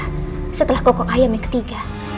dan membuatnya menjadi kocok ayam yang ketiga